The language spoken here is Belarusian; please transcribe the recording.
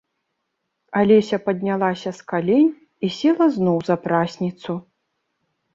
Алеся паднялася з калень і села зноў за прасніцу.